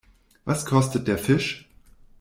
Was kostet der Fisch?